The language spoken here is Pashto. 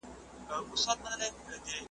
چي به پورته سوې څپې او لوی موجونه ,